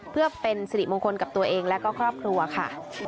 เพื่อเป็นสิริมงคลกับตัวเองและก็ครอบครัวค่ะ